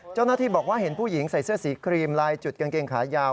เจ้าหน้าที่บอกว่าเห็นผู้หญิงใส่เสื้อสีครีมลายจุดกางเกงขายาว